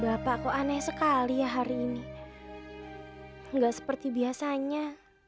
bapak kok aneh sekali ya hari ini nggak seperti biasanya